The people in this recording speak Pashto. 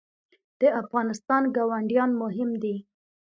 د افغانستان ګاونډیان مهم دي